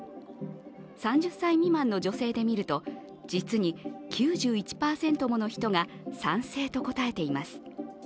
３０歳未満の女性で見ると実に９１％もの人が賛成と答えています。